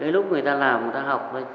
lúc người ta làm người ta học